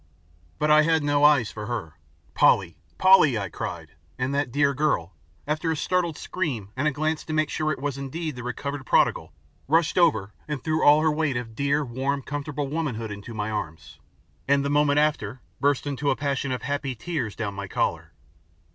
But I had no eyes for her. "Polly! Polly!" I cried, and that dear girl, after a startled scream and a glance to make sure it was indeed the recovered prodigal, rushed over and threw all her weight of dear, warm, comfortable womanhood into my arms, and the moment after burst into a passion of happy tears down my collar.